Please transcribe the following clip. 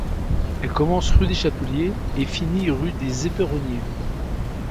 Elle commence rue des Chapeliers et finit rue des Éperonniers.